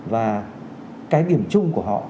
và cái điểm chung của họ